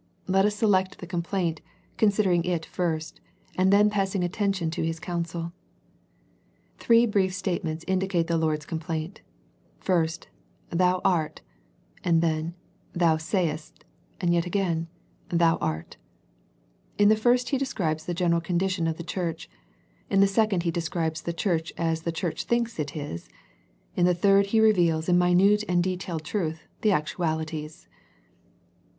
Let u^ select the complaint, considering it first, and then passing to attention to His counsel. Three brief statements indicate the Lord's complaint. First " Thou art," and then " Thou sayest," and yet again, " Thou art." In the first He describes the general condition of the church. In the second He describes the church as the church thinks it is. In the third He reveals in minute and detailed truth the actualities.